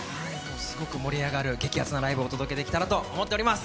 すごく盛り上がる激アツなライブをお届けできたらと思います！